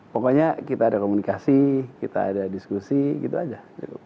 pokoknya kita ada komunikasi kita ada diskusi gitu aja